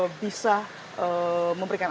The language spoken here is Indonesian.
memberikan aspirasi atau pemberitahuan